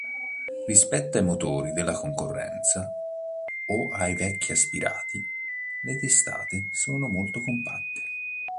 Rispetto ai motori della concorrenza o ai vecchi aspirati, le testate sono molto compatte.